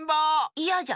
いやじゃ。